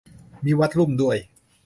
มี วัดลุ่ม ด้วย !